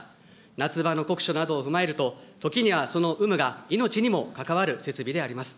夏場の酷暑などを踏まえると、時にはその有無が命にも関わる設備であります。